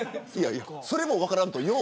それも分からんとよう